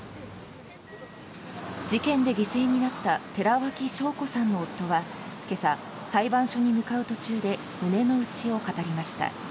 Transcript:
事件で犠牲になった寺脇晶子さんの夫は、けさ、裁判所に向かう途中で、胸の内を語りました。